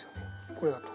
これだと。